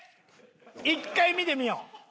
１回見てみよう。